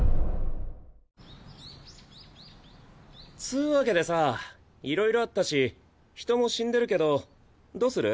つぅわけでさいろいろあったし人も死んでるけどどうする？